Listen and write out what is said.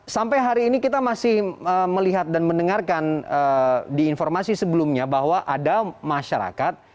sampai hari ini kita masih melihat dan mendengarkan di informasi sebelumnya bahwa ada masyarakat